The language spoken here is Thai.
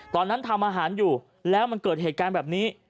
ตอนนั้นทำอาหารอยู่แล้วมันเกิดเหตุการณ์แบบนี้